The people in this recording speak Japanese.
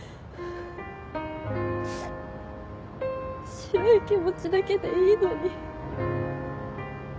白い気持ちだけでいいのに。